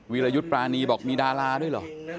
วิรยุทธ์ปรานีบอกมีดาราด้วยเหรอ